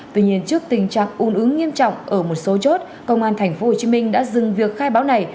trong tình trạng un ứng nghiêm trọng ở một số chốt công an thành phố hồ chí minh đã dừng việc khai báo này